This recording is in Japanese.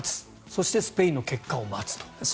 そしてスペインの結果を待つと。